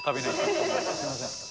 すみません。